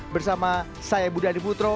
bersama saya budi adiputro